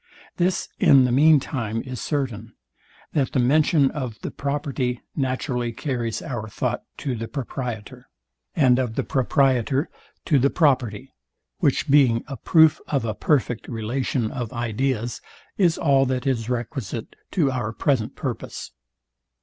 This in the mean time is certain, that the mention of the property naturally carries our thought to the proprietor, and of the proprietor to the property; which being a proof of a perfect relation of ideas is all that is requisite to our present purpose.